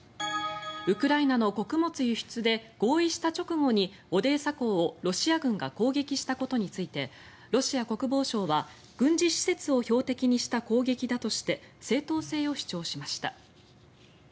ウクライナの穀物輸出で合意した直後にオデーサ港をロシア軍が攻撃したことについてロシア国防省は軍事施設を標的にした攻撃だとして正当性を主張しました。